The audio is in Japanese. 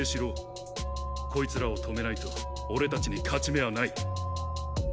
こいつらを止めないと俺たちに勝ち目はない。